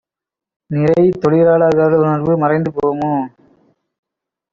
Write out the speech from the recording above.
நிறைதொழிலா ளர்களுணர்வு மறைந்து போமோ?